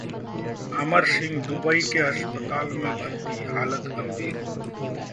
अमर Singh Dubai के अस्पताल में भर्ती, हालत गंभीर